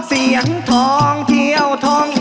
เสียงทองเที่ยวทอง